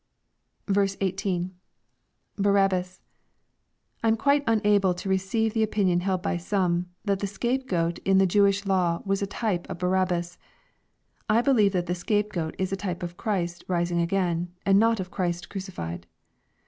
460 EXPOSITOBY THOUGHTS. * 18. — [Barahbtts.] I am quite unable to receive the opinion held by Pome, tliat the Ptrape goat in the Jewish law was a type of Barab bas. I believe that tlie scape goat was a type of Christ rising a rain, and not of Chriist crucified.